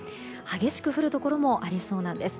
激しく降るところもありそうなんです。